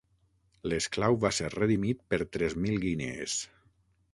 L'esclau va ser redimit per tres mil guinees.